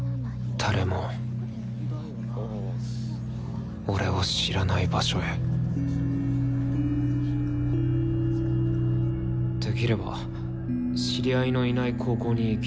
誰も俺を知らない場所へできれば知り合いのいない高校に行きたいんです。